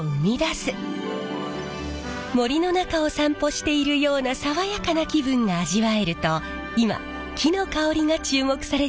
森の中を散歩しているような爽やかな気分が味わえると今木の香りが注目されています。